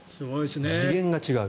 次元が違う。